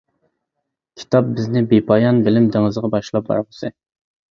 كىتاب بىزنى بىپايان بىلىم دېڭىزىغا باشلاپ بارغۇسى!